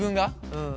うん。